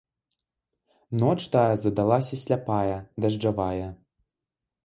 Ноч тая задалася сляпая, дажджавая.